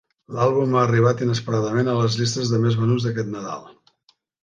L'àlbum ha arribat inesperadament a les llistes de més venuts d'aquest Nadal.